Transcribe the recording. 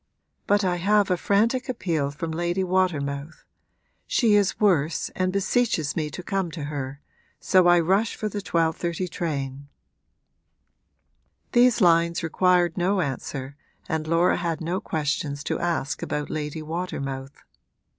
But I have a frantic appeal from Lady Watermouth; she is worse and beseeches me to come to her, so I rush for the 12.30 train.' These lines required no answer and Laura had no questions to ask about Lady Watermouth.